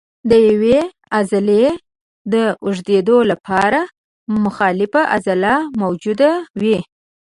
د یوې عضلې د اوږدېدو لپاره مخالفه عضله موجوده وي.